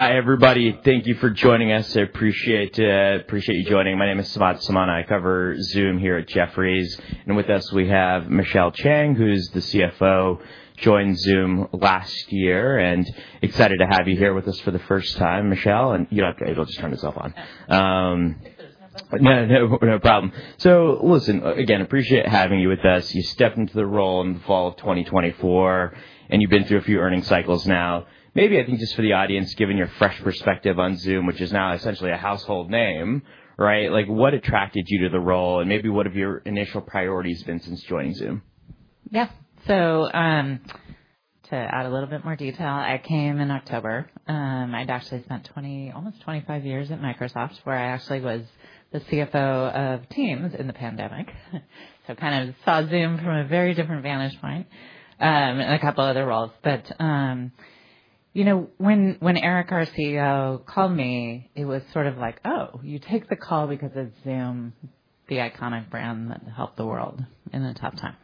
Hi, everybody. Thank you for joining us. I appreciate, appreciate you joining. My name is Samad Samana. I cover Zoom here at Jefferies. With us, we have Michelle Chang, who's the CFO, joined Zoom last year. Excited to have you here with us for the first time, Michelle. You're not able to turn yourself on. No, no, no problem. Listen, again, appreciate having you with us. You stepped into the role in the fall of 2024, and you've been through a few earnings cycles now. Maybe, I think, just for the audience, given your fresh perspective on Zoom, which is now essentially a household name, right? Like, what attracted you to the role? Maybe what have your initial priorities been since joining Zoom. Yeah. To add a little bit more detail, I came in October. I'd actually spent 20, almost 25 years at Microsoft, where I actually was the CFO of Teams in the pandemic. Kind of saw Zoom from a very different vantage point, and a couple other roles. You know, when Eric, our CEO, called me, it was sort of like, "Oh, you take the call because it's Zoom, the iconic brand that helped the world in a tough time."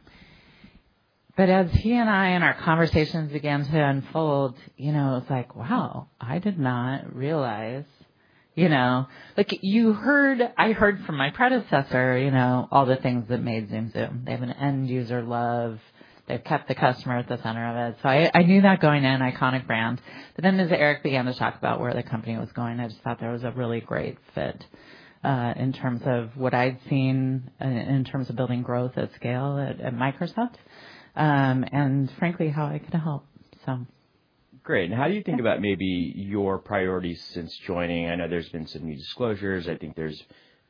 As he and I and our conversations began to unfold, you know, it's like, "Wow, I did not realize, you know, like, you heard, I heard from my predecessor, you know, all the things that made Zoom Zoom. They have an end-user love. They've kept the customer at the center of it." I knew that going in, iconic brand. As Eric began to talk about where the company was going, I just thought there was a really great fit, in terms of what I'd seen, in terms of building growth at scale at Microsoft, and frankly, how I could help. Great. How do you think about maybe your priorities since joining? I know there's been some new disclosures. I think there's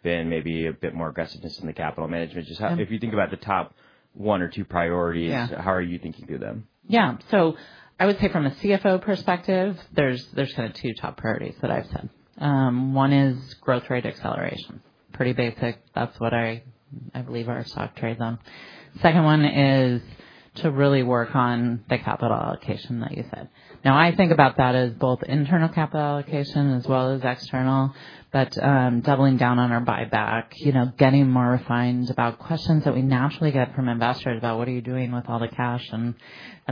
been maybe a bit more aggressiveness in the capital management. Just how, if you think about the top one or two priorities. Yeah. How are you thinking through them? Yeah. I would say from a CFO perspective, there's kind of two top priorities that I've said. One is growth rate acceleration. Pretty basic. That's what I believe our stock trades on. Second one is to really work on the capital allocation that you said. I think about that as both internal capital allocation as well as external, but doubling down on our buyback, you know, getting more refined about questions that we naturally get from investors about, "What are you doing with all the cash?" and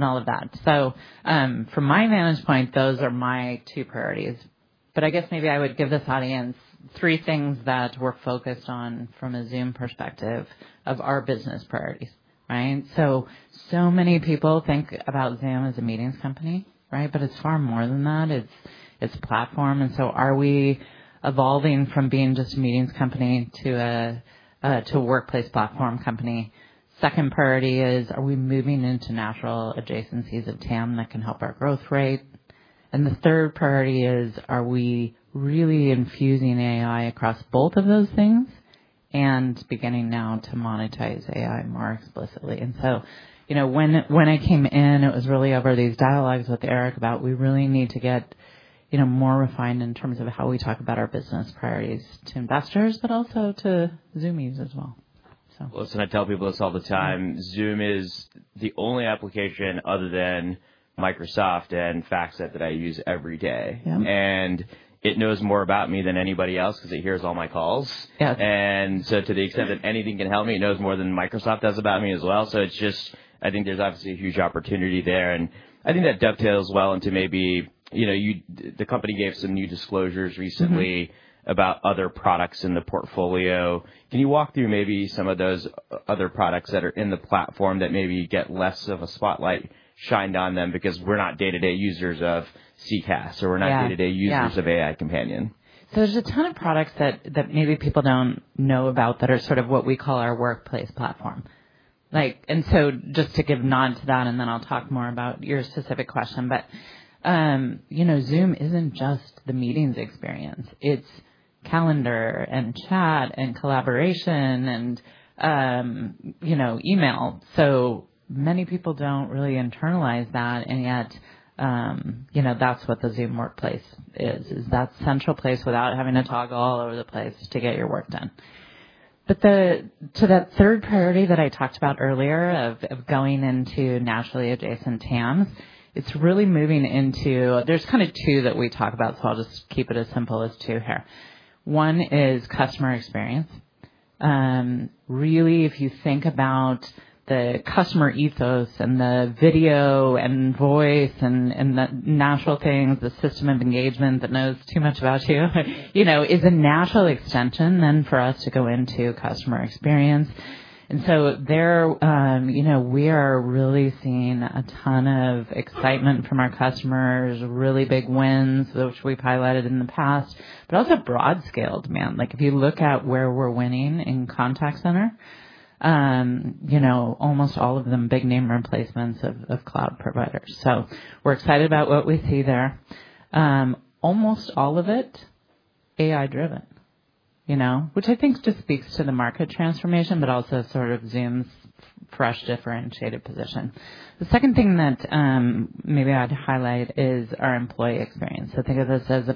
all of that. From my vantage point, those are my two priorities. I guess maybe I would give this audience three things that we're focused on from a Zoom perspective of our business priorities, right? So many people think about Zoom as a meetings company, right? But it's far more than that. It's a platform. Are we evolving from being just a meetings company to a workplace platform company? Second priority is, are we moving into natural adjacencies of TAM that can help our growth rate? The third priority is, are we really infusing AI across both of those things and beginning now to monetize AI more explicitly? You know, when I came in, it was really over these dialogues with Eric about we really need to get more refined in terms of how we talk about our business priorities to investors, but also to Zoomies as well. Listen, I tell people this all the time. Zoom is the only application other than Microsoft and FactSet that I use every day. Yeah. It knows more about me than anybody else 'cause it hears all my calls. Yeah. To the extent that anything can help me, it knows more than Microsoft does about me as well. I think there's obviously a huge opportunity there. I think that dovetails well into maybe, you know, the company gave some new disclosures recently about other products in the portfolio. Can you walk through maybe some of those other products that are in the platform that maybe get less of a spotlight shined on them? Because we're not day-to-day users of CCaaS, or we're not day-to-day users of AI Companion. Yeah. There is a ton of products that maybe people do not know about that are sort of what we call our workplace platform. Like, and just to give nod to that, then I will talk more about your specific question. You know, Zoom is not just the meetings experience. It is calendar and chat and collaboration and, you know, email. So many people do not really internalize that. Yet, you know, that is what the Zoom Workplace is. That is central place without having to toggle all over the place to get your work done. To that third priority that I talked about earlier of going into nationally adjacent TAM, it is really moving into, there is kind of two that we talk about, so I will just keep it as simple as two here. One is customer experience. Really, if you think about the customer ethos and the video and voice and the natural things, the system of engagement that knows too much about you, you know, is a natural extension then for us to go into customer experience. There, you know, we are really seeing a ton of excitement from our customers, really big wins, which we've highlighted in the past, but also broad-scale demand. Like, if you look at where we're winning in contact center, you know, almost all of them big name replacements of cloud providers. We're excited about what we see there. Almost all of it AI-driven, you know, which I think just speaks to the market transformation, but also sort of Zoom's fresh differentiated position. The second thing that maybe I'd highlight is our employee experience. Think of this as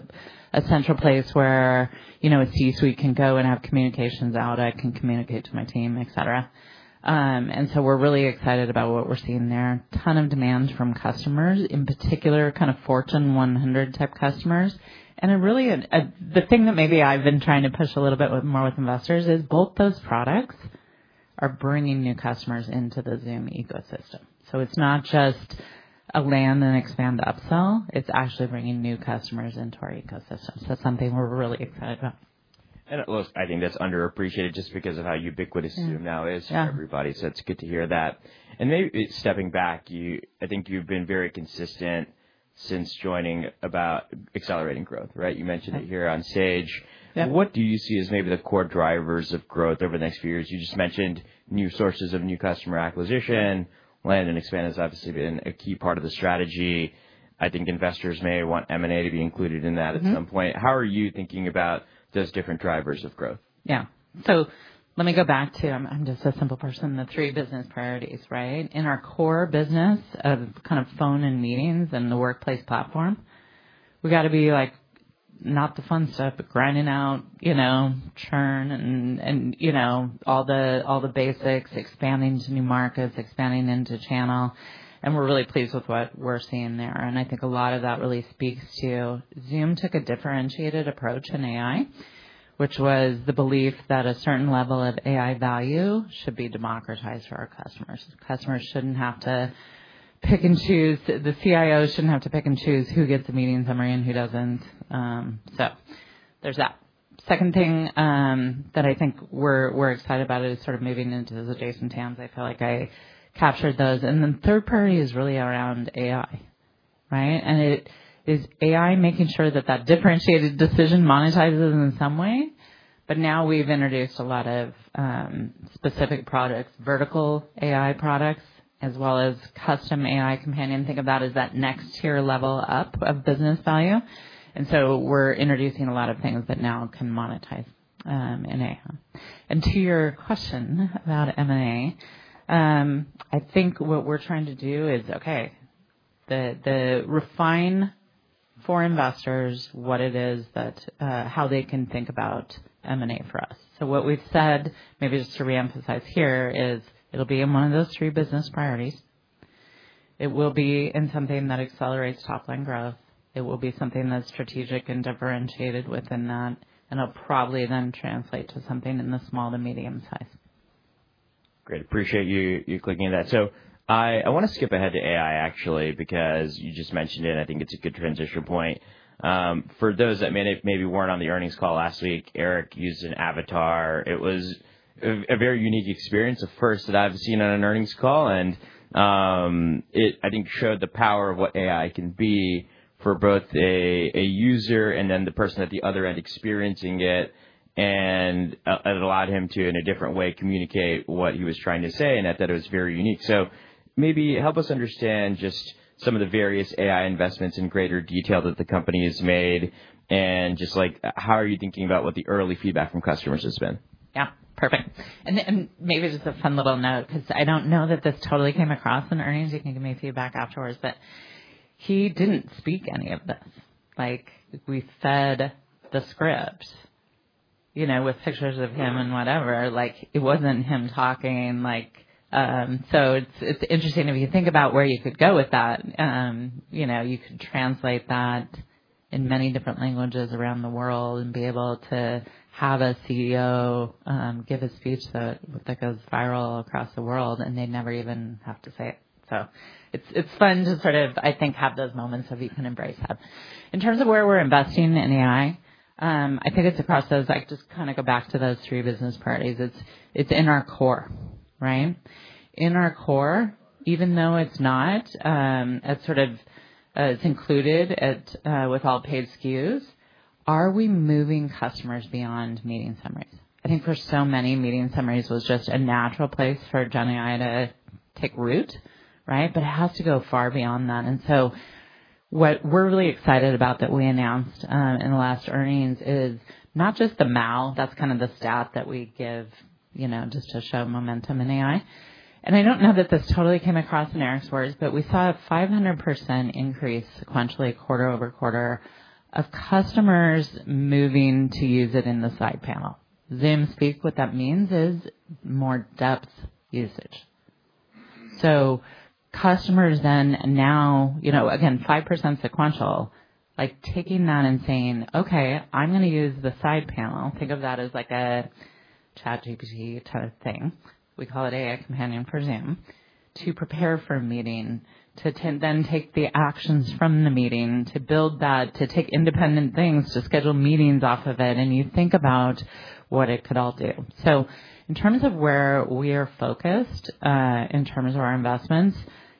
a central place where, you know, a C-suite can go and have communications out. I can communicate to my team, et cetera. We are really excited about what we are seeing there. Ton of demand from customers, in particular kind of Fortune 100 type customers. The thing that maybe I have been trying to push a little bit more with investors is both those products are bringing new customers into the Zoom ecosystem. It is not just a land and expand upsell. It is actually bringing new customers into our ecosystem. It is something we are really excited about. I think that's underappreciated just because of how ubiquitous Zoom now is. Yeah. It's good to hear that. Maybe stepping back, you, I think you've been very consistent since joining about accelerating growth, right? You mentioned it here on stage. Yeah. What do you see as maybe the core drivers of growth over the next few years? You just mentioned new sources of new customer acquisition. Land and expand has obviously been a key part of the strategy. I think investors may want M&A to be included in that at some point. Yeah. How are you thinking about those different drivers of growth? Yeah. Let me go back to, I'm just a simple person, the three business priorities, right? In our core business of kind of phone and meetings and the workplace platform, we gotta be like, not the fun stuff, but grinding out, you know, churn and, you know, all the basics, expanding to new markets, expanding into channel. We're really pleased with what we're seeing there. I think a lot of that really speaks to Zoom took a differentiated approach in AI, which was the belief that a certain level of AI value should be democratized for our customers. Customers shouldn't have to pick and choose. The CIO shouldn't have to pick and choose who gets a meeting summary and who doesn't. There is that. Second thing, that I think we're excited about is sort of moving into those adjacent TAMs. I feel like I captured those. The third priority is really around AI, right? It is AI making sure that that differentiated decision monetizes in some way. Now we've introduced a lot of specific products, vertical AI products, as well as custom AI Companion. Think of that as that next tier level up of business value. We're introducing a lot of things that now can monetize in AI. To your question about M&A, I think what we're trying to do is refine for investors what it is that, how they can think about M&A for us. What we've said, maybe just to reemphasize here, is it'll be in one of those three business priorities. It will be in something that accelerates top-line growth. It will be something that's strategic and differentiated within that. It'll probably then translate to something in the small to medium size. Great. Appreciate you clicking that. I wanna skip ahead to AI, actually, because you just mentioned it, and I think it's a good transition point. For those that maybe weren't on the earnings call last week, Eric used an avatar. It was a very unique experience, a first that I've seen on an earnings call. I think it showed the power of what AI can be for both a user and then the person at the other end experiencing it. It allowed him to, in a different way, communicate what he was trying to say. I thought it was very unique. Maybe help us understand just some of the various AI investments in greater detail that the company has made. Just like, how are you thinking about what the early feedback from customers has been? Yeah. Perfect. And maybe just a fun little note, 'cause I don't know that this totally came across in earnings. You can give me feedback afterwards. But he didn't speak any of this. Like, we said the script, you know, with pictures of him and whatever. Like, it wasn't him talking. Like, so it's interesting if you think about where you could go with that. You know, you could translate that in many different languages around the world and be able to have a CEO give a speech that goes viral across the world, and they never even have to say it. So it's fun to sort of, I think, have those moments of you can embrace that. In terms of where we're investing in AI, I think it's a process. I just kind of go back to those three business priorities. It's in our core, right? In our core, even though it's not, it's sort of, it's included with all paid SKUs, are we moving customers beyond meeting summaries? I think for so many, meeting summaries was just a natural place for GenAI to take root, right? It has to go far beyond that. What we're really excited about that we announced in the last earnings is not just the MAU. That's kind of the stat that we give, you know, just to show momentum in AI. I don't know that this totally came across in Eric's words, but we saw a 500% increase sequentially quarter over quarter of customers moving to use it in the side panel. Zoom Speak, what that means is more depth usage. Customers then now, you know, again, 5% sequential, like taking that and saying, "Okay, I'm gonna use the side panel." Think of that as like a ChatGPT type of thing. We call it AI Companion for Zoom to prepare for a meeting, to then take the actions from the meeting, to build that, to take independent things, to schedule meetings off of it. You think about what it could all do. In terms of where we are focused, in terms of our investments,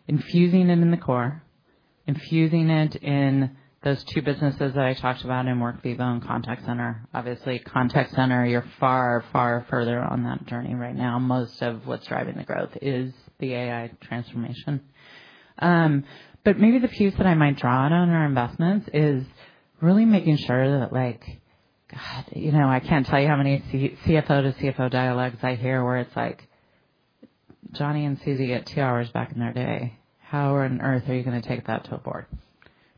infusing it in the core, infusing it in those two businesses that I talked about in WorkVivo and Contact Center. Obviously, Contact Center, you're far, far further on that journey right now. Most of what's driving the growth is the AI transformation. Maybe the piece that I might draw on our investments is really making sure that, like, God, you know, I can't tell you how many CFO to CFO dialogues I hear where it's like, "Johnny and Susie get two hours back in their day. How on earth are you gonna take that to a board?"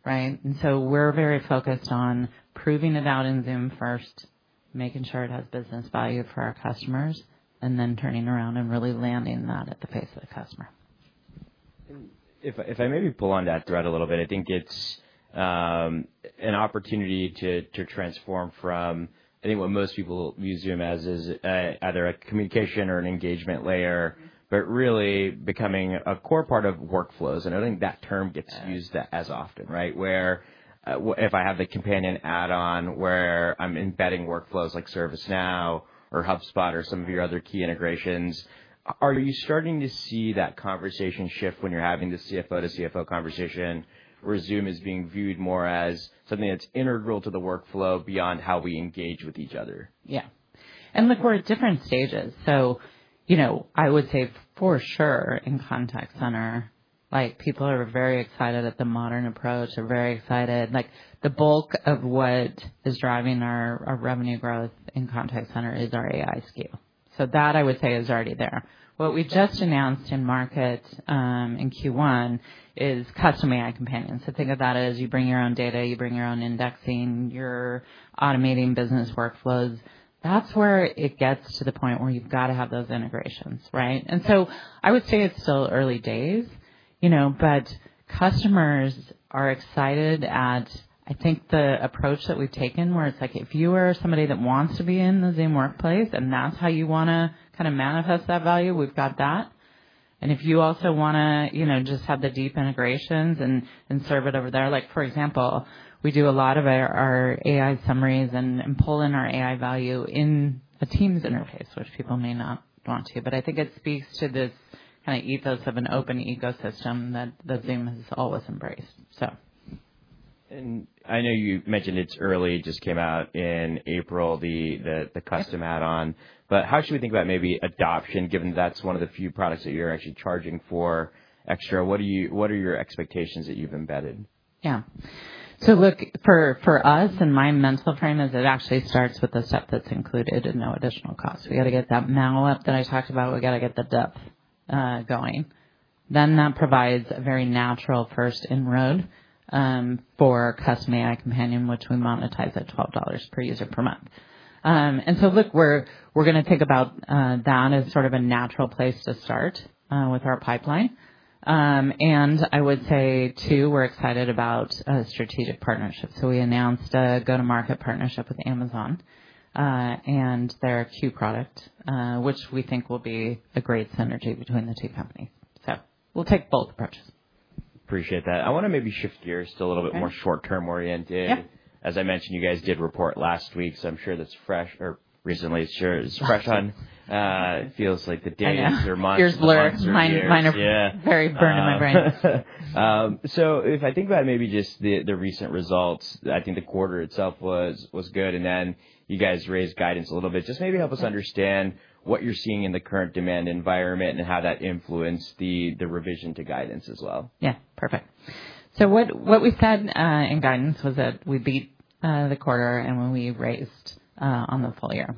Right? We are very focused on proving it out in Zoom first, making sure it has business value for our customers, and then turning around and really landing that at the face of the customer. If I maybe pull on that thread a little bit, I think it's an opportunity to transform from, I think what most people view Zoom as is either a communication or an engagement layer, but really becoming a core part of workflows. I think that term gets used that as often, right? Where, if I have the Companion add-on where I'm embedding workflows like ServiceNow or HubSpot or some of your other key integrations, are you starting to see that conversation shift when you're having the CFO to CFO conversation where Zoom is being viewed more as something that's integral to the workflow beyond how we engage with each other? Yeah. Look, we're at different stages. You know, I would say for sure in Contact Center, like, people are very excited at the modern approach. They're very excited. The bulk of what is driving our revenue growth in Contact Center is our AI SKU. That I would say is already there. What we just announced in market in Q1 is custom AI Companion. Think of that as you bring your own data, you bring your own indexing, you're automating business workflows. That's where it gets to the point where you've gotta have those integrations, right? I would say it's still early days, you know, but customers are excited at, I think, the approach that we've taken where it's like, if you are somebody that wants to be in the Zoom Workplace and that's how you wanna kind of manifest that value, we've got that. If you also wanna, you know, just have the deep integrations and serve it over there. Like, for example, we do a lot of our AI summaries and pull in our AI value in a Teams interface, which people may not want to. I think it speaks to this kind of ethos of an open ecosystem that Zoom has always embraced. I know you mentioned it's early. It just came out in April, the custom add-on. How should we think about maybe adoption, given that's one of the few products that you're actually charging for extra? What are your expectations that you've embedded? Yeah. So look, for us and my mental frame is it actually starts with a step that's included at no additional cost. We gotta get that MAU up that I talked about. We gotta get the depth going. Then that provides a very natural first inroad for custom AI Companion, which we monetize at $12 per user per month. And so look, we're gonna think about that as sort of a natural place to start with our pipeline. And I would say too, we're excited about a strategic partnership. We announced a go-to-market partnership with Amazon and their Q product, which we think will be a great synergy between the two companies. We'll take both approaches. Appreciate that. I wanna maybe shift gears to a little bit more short-term oriented. Yeah. As I mentioned, you guys did report last week, so I'm sure that's fresh or recently. It sure is fresh on, feels like the day after month. Yeah. Here's Lilith, minor, minor. Yeah. Very burned in my brain. If I think about maybe just the, the recent results, I think the quarter itself was, was good. And then you guys raised guidance a little bit. Just maybe help us understand what you're seeing in the current demand environment and how that influenced the, the revision to guidance as well. Yeah. Perfect. What we said in guidance was that we beat the quarter and we raised on the full year.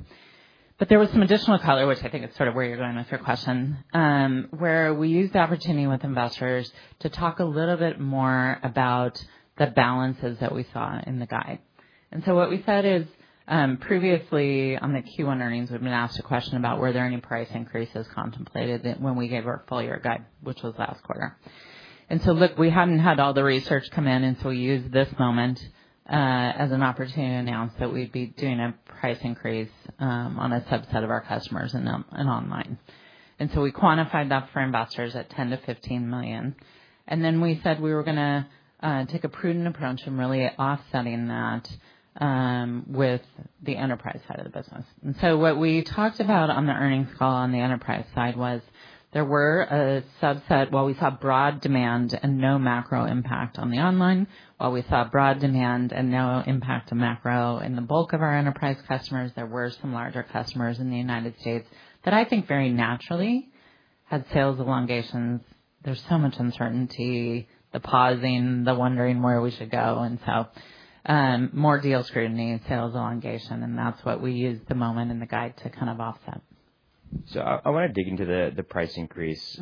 There was some additional color, which I think is sort of where you're going with your question, where we used the opportunity with investors to talk a little bit more about the balances that we saw in the guide. What we said is, previously on the Q1 earnings, we'd been asked a question about were there any price increases contemplated when we gave our full year guide, which was last quarter. Look, we hadn't had all the research come in, and we used this moment as an opportunity to announce that we'd be doing a price increase on a subset of our customers and online. We quantified that for investors at $10 million-$15 million. We said we were gonna take a prudent approach in really offsetting that with the enterprise side of the business. What we talked about on the earnings call on the enterprise side was there were a subset, while we saw broad demand and no macro impact on the online, while we saw broad demand and no impact to macro in the bulk of our enterprise customers, there were some larger customers in the United States that I think very naturally had sales elongations. There's so much uncertainty, the pausing, the wondering where we should go. More deal scrutiny, sales elongation, and that's what we used the moment in the guide to kind of offset. I wanna dig into the, the price increase.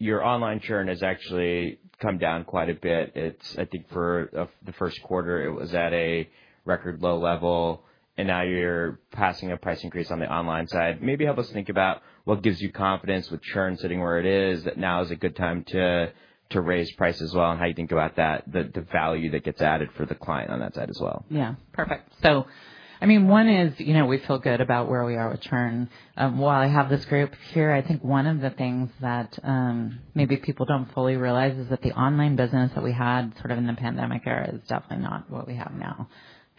Your online churn has actually come down quite a bit. It's, I think for the first quarter, it was at a record low level, and now you're passing a price increase on the online side. Maybe help us think about what gives you confidence with churn sitting where it is that now is a good time to raise price as well and how you think about that, the value that gets added for the client on that side as well. Yeah. Perfect. I mean, one is, you know, we feel good about where we are with churn. While I have this group here, I think one of the things that maybe people don't fully realize is that the online business that we had sort of in the pandemic era is definitely not what we have now.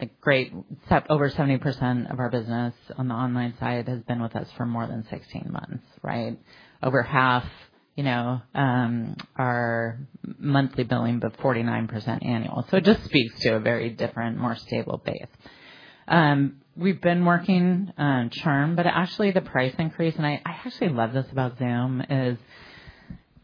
A great step, over 70% of our business on the online side has been with us for more than 16 months, right? Over half, you know, our monthly billing, but 49% annual. It just speaks to a very different, more stable base. We've been working, churn, but actually the price increase, and I, I actually love this about Zoom is,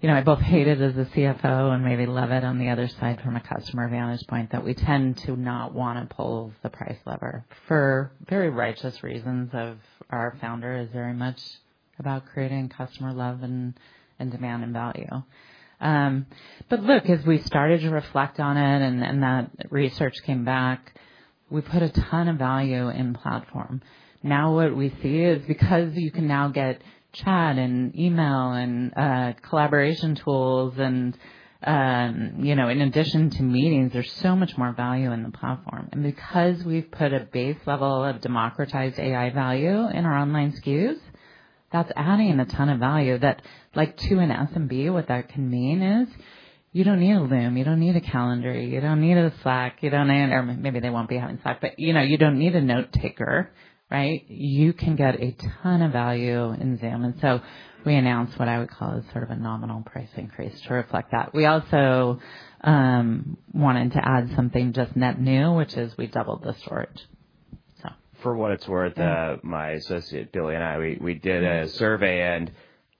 you know, I both hate it as a CFO and maybe love it on the other side from a customer vantage point that we tend to not wanna pull the price lever for very righteous reasons of our founder is very much about creating customer love and, and demand and value. Look, as we started to reflect on it and, and that research came back, we put a ton of value in platform. Now what we see is because you can now get chat and email and, collaboration tools and, you know, in addition to meetings, there's so much more value in the platform. Because we've put a base level of democratized AI value in our online SKUs, that's adding in a ton of value that, like, to an SMB, what that can mean is you don't need a Loom, you don't need a Calendar, you don't need a Slack, you don't need, or maybe they won't be having Slack, but, you know, you don't need a note taker, right? You can get a ton of value in Zoom. We announced what I would call is sort of a nominal price increase to reflect that. We also wanted to add something just net new, which is we doubled the storage. For what it's worth, my associate Billy and I, we did a survey and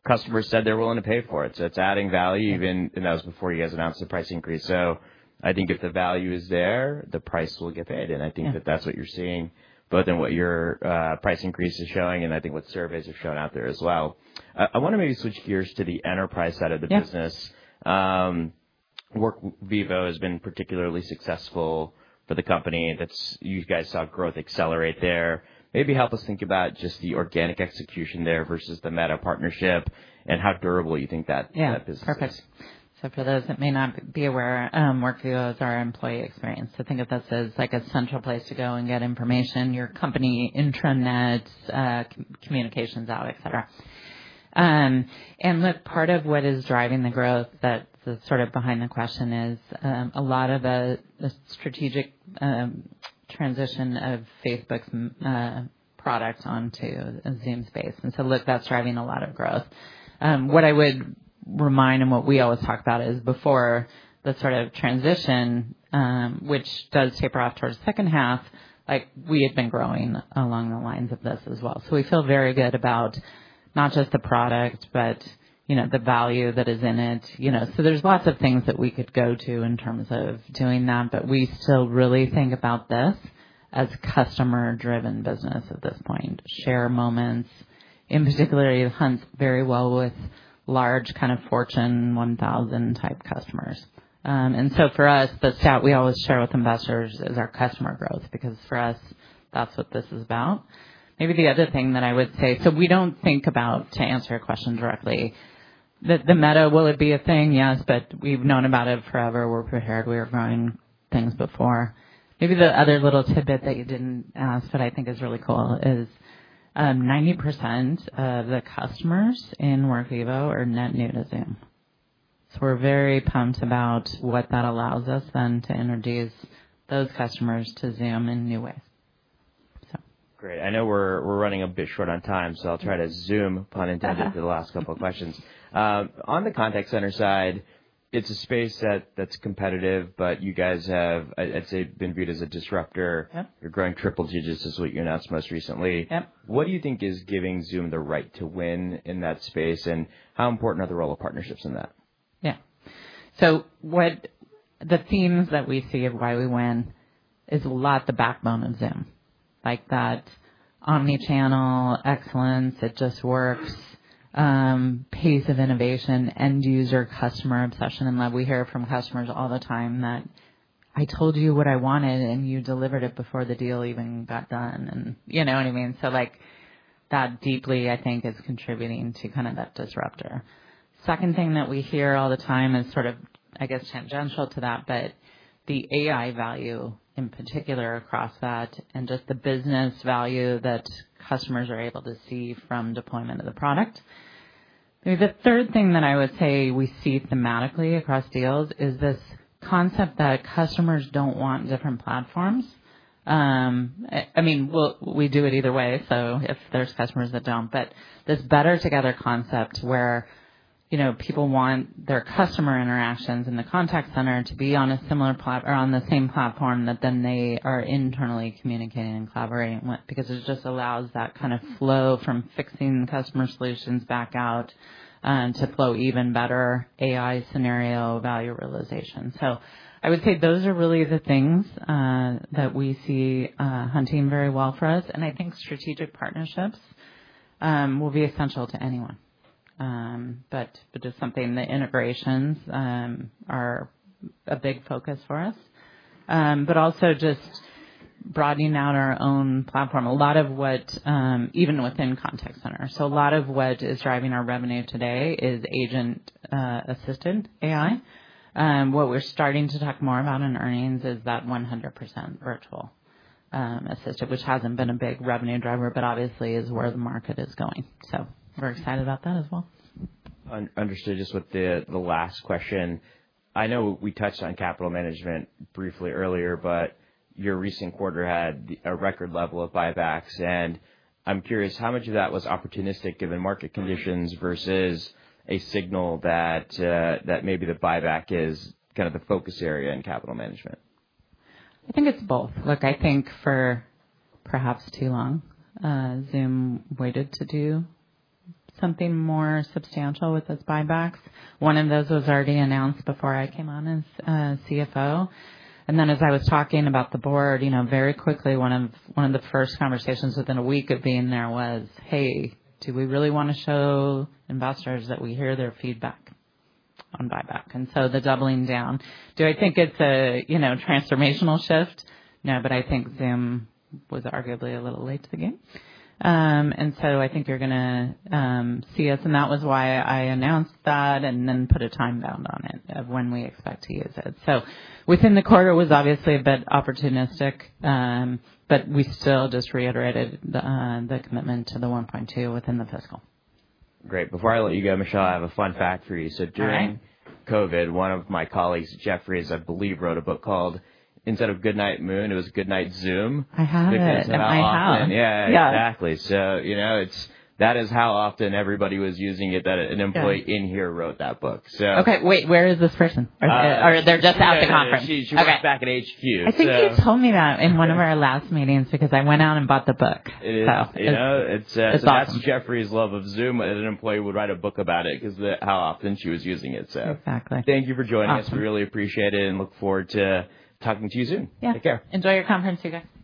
customers said they're willing to pay for it. It's adding value even, and that was before you guys announced the price increase. I think if the value is there, the price will get paid. I think that's what you're seeing both in what your price increase is showing and what surveys have shown out there as well. I want to maybe switch gears to the enterprise side of the business. Yes. WorkVivo has been particularly successful for the company. That's you guys saw growth accelerate there. Maybe help us think about just the organic execution there versus the Meta partnership and how durable you think that, that business is. Yeah. Perfect. For those that may not be aware, WorkVivo is our employee experience. Think of this as like a central place to go and get information, your company intranets, communications out, et cetera. Look, part of what is driving the growth that's sort of behind the question is, a lot of the strategic transition of Meta's products onto a Zoom space. Look, that's driving a lot of growth. What I would remind and what we always talk about is before the sort of transition, which does taper off towards the second half, like we had been growing along the lines of this as well. We feel very good about not just the product, but, you know, the value that is in it, you know. There are lots of things that we could go to in terms of doing that, but we still really think about this as customer-driven business at this point. Share moments, in particular, you hunt very well with large kind of Fortune 1000 type customers. For us, the stat we always share with investors is our customer growth because for us, that's what this is about. Maybe the other thing that I would say, we don't think about, to answer your question directly, that the meta, will it be a thing? Yes, but we've known about it forever. We're prepared. We were growing things before. Maybe the other little tidbit that you didn't ask but I think is really cool is, 90% of the customers in WorkVivo are net new to Zoom. We're very pumped about what that allows us then to introduce those customers to Zoom in new ways. Great. I know we're running a bit short on time, so I'll try to, Zoom pun intended, to the last couple of questions. On the Contact Center side, it's a space that's competitive, but you guys have, I'd say, been viewed as a disruptor. Yep. You're growing triple digits is what you announced most recently. Yep. What do you think is giving Zoom the right to win in that space and how important are the role of partnerships in that? Yeah. What the themes that we see of why we win is a lot the backbone of Zoom, like that omnichannel excellence that just works, pace of innovation, end user customer obsession. We hear from customers all the time that I told you what I wanted and you delivered it before the deal even got done. You know what I mean? That deeply, I think, is contributing to kind of that disruptor. Second thing that we hear all the time is sort of, I guess, tangential to that, but the AI value in particular across that and just the business value that customers are able to see from deployment of the product. The third thing that I would say we see thematically across deals is this concept that customers do not want different platforms. I mean, we do it either way. If there's customers that don't, but this better together concept where, you know, people want their customer interactions in the Contact Center to be on a similar plat or on the same platform that then they are internally communicating and collaborating with because it just allows that kind of flow from fixing customer solutions back out, to flow even better AI scenario value realization. I would say those are really the things that we see hunting very well for us. I think strategic partnerships will be essential to anyone, but just something, the integrations are a big focus for us, but also just broadening out our own platform. A lot of what, even within Contact Center, a lot of what is driving our revenue today is agent, assistant AI. What we're starting to talk more about in earnings is that 100% virtual, assisted, which hasn't been a big revenue driver, but obviously is where the market is going. We're excited about that as well. Understood just with the, the last question. I know we touched on capital management briefly earlier, but your recent quarter had a record level of buybacks. I'm curious how much of that was opportunistic given market conditions versus a signal that maybe the buyback is kind of the focus area in capital management. I think it's both. Look, I think for perhaps too long, Zoom waited to do something more substantial with its buybacks. One of those was already announced before I came on as CFO. And then as I was talking about the board, you know, very quickly, one of the first conversations within a week of being there was, hey, do we really wanna show investors that we hear their feedback on buyback? And so the doubling down, do I think it's a, you know, transformational shift? No, but I think Zoom was arguably a little late to the game. and so I think you're gonna, see us. And that was why I announced that and then put a time down on it of when we expect to use it. Within the quarter was obviously a bit opportunistic, but we still just reiterated the commitment to the 1.2 within the fiscal. Great. Before I let you go, Michelle, I have a fun fact for you. During. Okay. COVID, one of my colleagues at Jefferies, I believe, wrote a book called Instead of Goodnight Moon, it was Goodnight Zoom. I have. Goodnight Zoom. I have. Yeah. I have. Yeah. Exactly. You know, that is how often everybody was using it that an employee in here wrote that book. Okay. Wait, where is this person? Or they're just out of the conference? She's right back at HQ. I think you told me that in one of our last meetings because I went out and bought the book. It is. So. You know, it's, it's. It's awesome. That's Jefferies' love of Zoom, but an employee would write a book about it 'cause the, how often she was using it, so. Exactly. Thank you for joining us. Awesome. We really appreciate it and look forward to talking to you soon. Yeah. Take care. Enjoy your conference, you guys.